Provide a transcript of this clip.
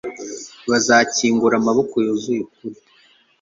Bazakingura amaboko yuzuye ukuri